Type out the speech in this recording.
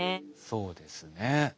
そうですね。